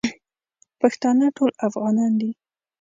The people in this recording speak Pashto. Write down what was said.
پښتانه ټول افغانان دی